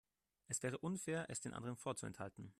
Es wäre unfair, es den anderen vorzuenthalten.